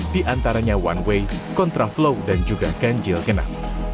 di antaranya one way contraflow dan juga ganjil genap